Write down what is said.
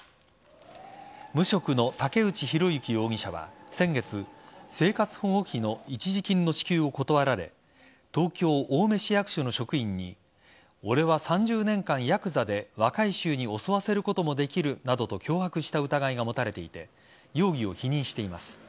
無職の竹内弘幸容疑者は先月生活保護費の一時金の支給を断られ東京・青梅市役所の職員に俺は３０年間、ヤクザで若い衆に襲わせることもできるなどと脅迫した疑いが持たれていて容疑を否認しています。